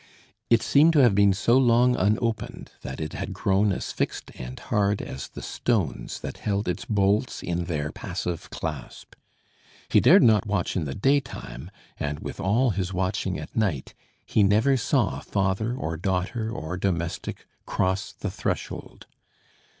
It seemed to have been so long unopened that it had grown as fixed and hard as the stones that held its bolts in their passive clasp. He dared not watch in the daytime, and with all his watching at night, he never saw father or daughter or domestic cross the threshold.